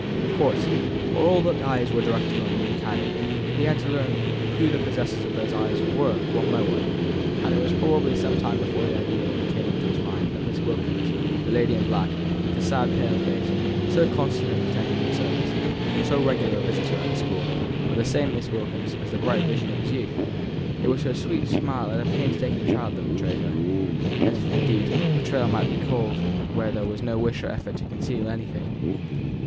Of course, while all eyes were directed on the new canon, he had to learn who the possessors of those eyes were one by one; and it was probably some time before the idea came into his mind that Miss Wilkins, the lady in black, with the sad pale face, so constant an attendant at service, so regular a visitor at the school, was the same Miss Wilkins as the bright vision of his youth. It was her sweet smile at a painstaking child that betrayed her if, indeed, betrayal it might be called where there was no wish or effort to conceal anything.